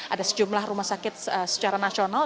ada sejumlah rumah sakit secara nasional